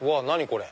これ。